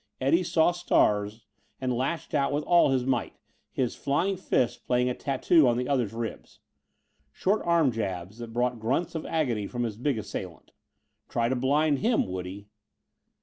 Eddie saw stars and lashed out with all his might, his flying fists playing a tattoo on the others ribs. Short arm jabs that brought grunts of agony from his big assailant. Try to blind him, would he?